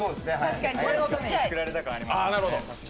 このために作られた感ありましたよね。